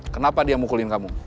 kenapa dia mukulin kamu